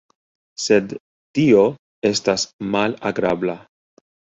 Sed tio estas malagrabla.